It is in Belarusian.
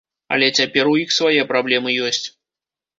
Але цяпер у іх свае праблемы ёсць.